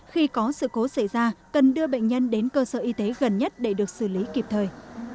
khi có sự cố xảy ra cần đưa bệnh nhân đến cơ sở y tế gần nhất để được xử lý kịp thời